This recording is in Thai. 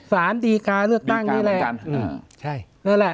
สารดีการ์เลือกตั้งนี้แหละ